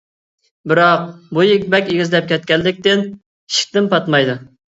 بىراق بويى بەك ئېگىزلەپ كەتكەنلىكتىن ئىشىكتىن پاتمايدۇ.